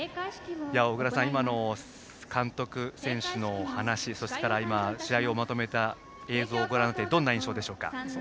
小倉さん、今の監督、選手の話そして試合をまとめた映像をご覧になってどんな印象でしょうか。